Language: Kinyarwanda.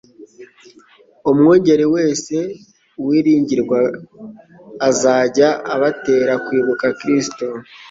Umwungeri wese wiringirwa azajya abatera kwibuka Kristo,